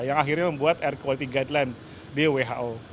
yang akhirnya membuat air quality guideline di who